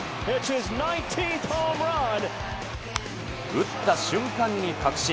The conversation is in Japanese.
打った瞬間に確信。